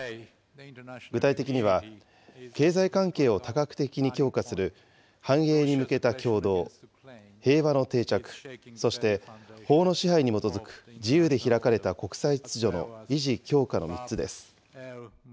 具体的には、経済関係を多角的に強化する繁栄に向けた協働、平和の定着、そして法の支配に基づく自由で開かれた国際秩序の維持・強化の３つです。